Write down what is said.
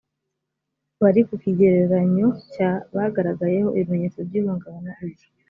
bari ku kigeraranyo cya bagaragayeho ibimenyetso by ihungabana iyi